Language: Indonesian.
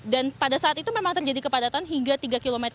dan pada saat itu memang terjadi kepadatan hingga tiga km